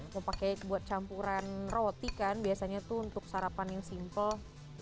mau pakai buat campuran roti kan biasanya tuh untuk sarapan yang simple